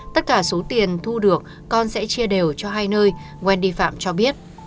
tất cả số tiền thu được con sẽ chia đều cho hai nơi wendy phạm cho biết